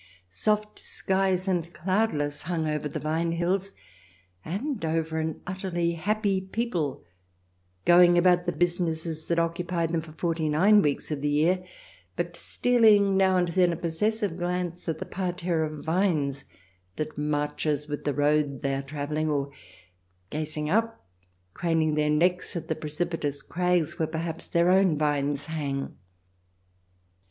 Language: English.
Soft skies and cloudless hung over the vine hills, and over an utterly happy people going about the businesses that occupy them for forty nine weeks of the year, but stealing now and then a posses sive glance at the parterre of vines that marches with the road they are travelling, or gazing up, craning their necks at the precipitous crags where perhaps their own vines hang.